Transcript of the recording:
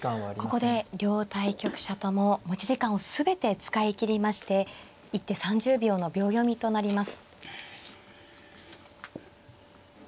ここで両対局者とも持ち時間を全て使い切りまして一手３０秒の秒読みとなります。